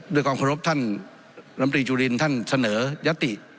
ด้วยความเคารพท่านลำตรีจุลินท่านเสนอยติ